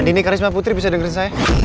andi ini karisma putri bisa dengerin saya